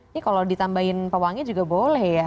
ini kalau ditambahin pewangi juga boleh ya